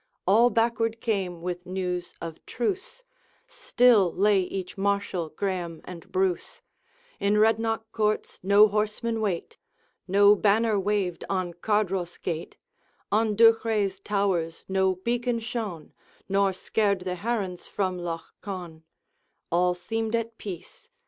All backward came with news of truce; Still lay each martial Graeme and Bruce, In Rednock courts no horsemen wait, No banner waved on Cardross gate, On Duchray's towers no beacon shone, Nor scared the herons from Loch Con; All seemed at peace.